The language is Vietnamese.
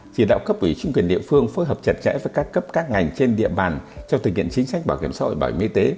chỉ đạo cấp ủy chính quyền địa phương phối hợp chặt chẽ với các cấp các ngành trên địa bàn trong thực hiện chính sách bảo hiểm xã hội bảo hiểm y tế